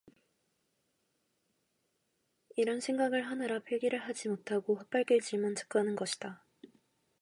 이런 생각을 하느라고 필기를 하지 못하고 헛발길질만 자꾸 하는 것이다.